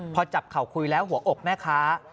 พอจับเข่าคุยแล้วหัวอกแม่ค้า